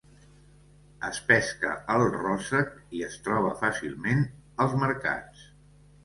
Es pesca al ròssec i es troba fàcilment als mercats.